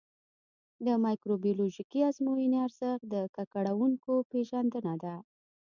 د مایکروبیولوژیکي ازموینې ارزښت د ککړونکو پېژندنه ده.